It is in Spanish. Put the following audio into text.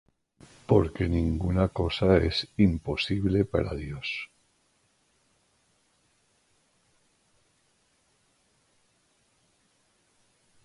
Porque ninguna cosa es imposible para Dios.